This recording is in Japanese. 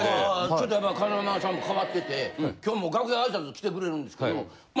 ちょっとやっぱ風間さん変わってて今日も楽屋挨拶来てくれるんですけどま